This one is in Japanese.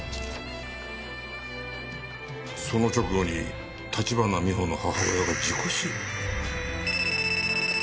その直後に立花美穂の母親が事故死？